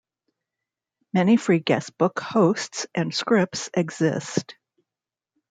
Many free guestbook hosts and scripts exist.